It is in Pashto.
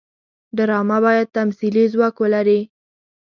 ډرامه باید تمثیلي ځواک ولري